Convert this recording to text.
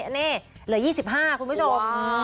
นี่เหลือ๒๕คุณผู้ชม